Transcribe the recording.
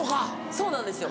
そうなんですよ。